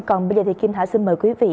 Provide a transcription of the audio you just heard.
còn bây giờ thì kim thảo xin mời quý vị